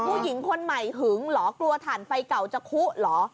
ผู้หญิงคนใหม่หึงเหรอกลัวถ่านไฟเก่าจะคุเหรอ